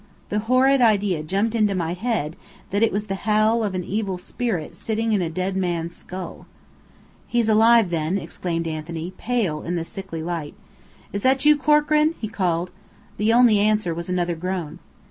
The horrid idea jumped into my head that it was the howl of an evil spirit sitting in a dead man's skull. "He's alive then," exclaimed Anthony, pale in the sickly light. "Is that you, Corkran?" he called. The only answer was another groan.